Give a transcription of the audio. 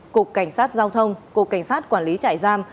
cục cảnh sát giao thông cục cảnh sát quản lý trại giam